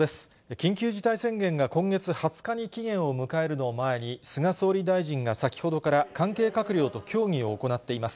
緊急事態宣言が今月２０日に期限を迎えるのを前に、菅総理大臣が先ほどから関係閣僚と協議を行っています。